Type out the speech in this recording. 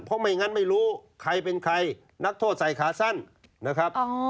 เพราะไม่งั้นไม่รู้ใครเป็นใครนักโทษใส่ขาสั้นนะครับ